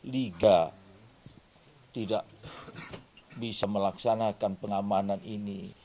liga tidak bisa melaksanakan pengamanan ini